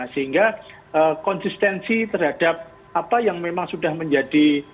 sehingga konsistensi terhadap apa yang memang sudah menjadi